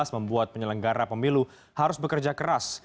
membuat penyelenggara pemilu harus bekerja keras